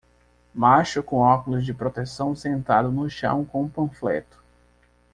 Macho com óculos de proteção sentado no chão com um panfleto.